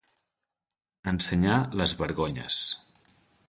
Ensenyar les vergonyes.